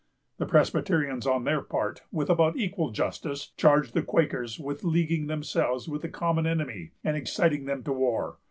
The Presbyterians, on their part, with about equal justice, charged the Quakers with leaguing themselves with the common enemy and exciting them to war.